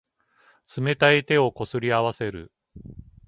冷たい手をこすり合わせる。